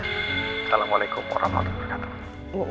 assalamualaikum warahmatullahi wabarakatuh